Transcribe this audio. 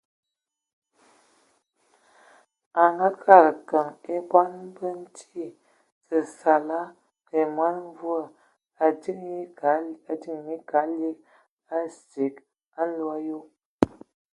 A ngaakəd keŋ e bɔn ba ntwi, səsala və mɔn mvua, a diŋiŋ kad lig mɔn mvua asig a nlo ayob.